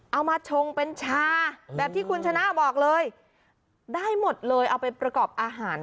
มาชงเป็นชาแบบที่คุณชนะบอกเลยได้หมดเลยเอาไปประกอบอาหาร